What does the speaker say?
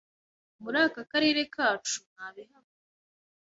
muri aka Karere kacu ntabihaba